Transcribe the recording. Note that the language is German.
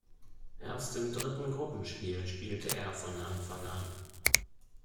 Erst im dritten Gruppenspiel spielte er von Anfang an.